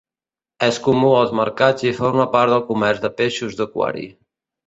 És comú als mercats i forma part del comerç de peixos d'aquari.